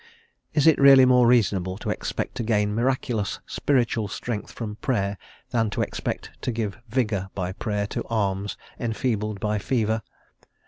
Is it really more reasonable to expect to gain miraculous spiritual strength from Prayer, than to expect to give vigour, by Prayer, to arms enfeebled by fever?